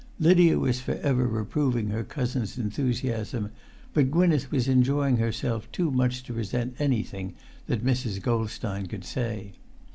Lydia was for ever reproving her cousin's enthusiasm; but Gwynneth was enjoying herself too much to resent anything that Mrs. Goldstein could say.